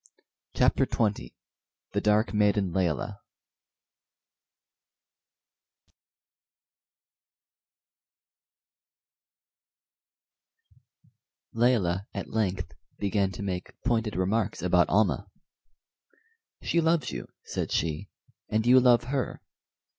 CHAPTER XX THE DARK MAIDEN LAYELAH Layelah at length began to make pointed remarks about Almah. "She loves you," said she, "and you love her.